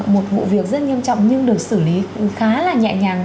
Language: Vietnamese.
một vụ việc rất nghiêm trọng nhưng được xử lý khá là nhẹ nhàng